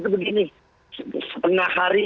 itu begini setengah hari